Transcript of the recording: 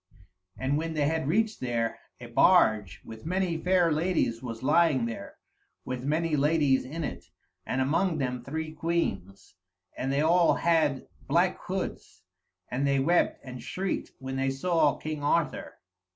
And when they had reached there, a barge with many fair ladies was lying there, with many ladies in it, and among them three queens, and they all had black hoods, and they wept and shrieked when they saw King Arthur.